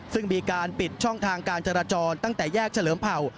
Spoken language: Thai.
ซึ่งมีการปิดช่องทางการจราจรตั้งแต่แยกเฉลิมเผ่า